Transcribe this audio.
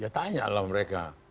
ya tanya lah mereka